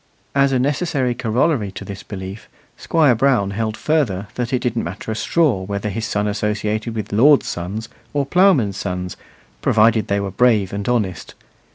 As a necessary corollary to this belief, Squire Brown held further that it didn't matter a straw whether his son associated with lords' sons or ploughmen's sons, provided they were brave and honest.